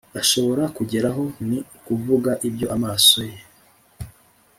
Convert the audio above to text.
ashobora kugeraho ni ukuvuga ibyo amaso ye